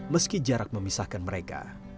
meski jarak memisahkan mereka